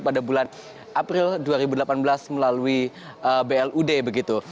pada bulan april dua ribu delapan belas melalui blud begitu